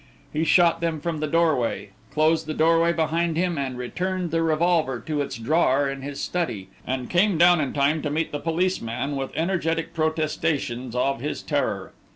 He shot them from the doorway, closed the doorway behind him, and returned the revolver to its drawer in his study, and came down in time to meet the policeman with energetic protestations of his terror.